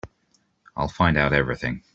I'll find out everything.